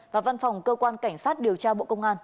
và văn phòng cơ quan cảnh sát điều tra bộ công an